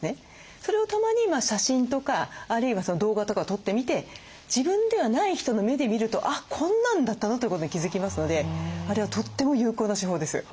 それをたまに写真とかあるいは動画とかを撮ってみて自分ではない人の目で見るとあっこんなんだったの？ということに気付きますのであれはとっても有効な手法です。